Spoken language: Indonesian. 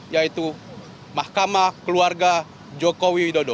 yaitu mahkamah keluarga joko widodo